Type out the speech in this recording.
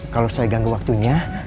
kalau saya ganggu waktunya